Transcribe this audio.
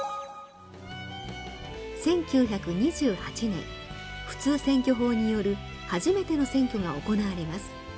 １９２８年普通選挙法による初めての選挙が行われます。